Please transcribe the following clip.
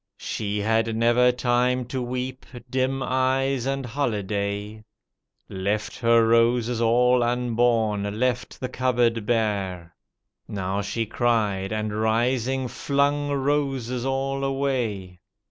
She had never time to weep, dim eyes and holiday. Left her roses aU unborn, left the cupboard bare. Now she cried and rising flung roses all away.